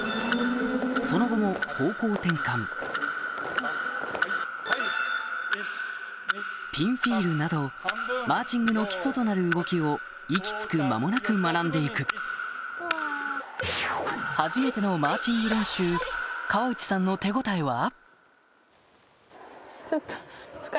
その後も方向転換ピンフィールなどマーチングの基礎となる動きを息つく間もなく学んで行く川内さんの手応えは？